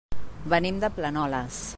Venim de Planoles.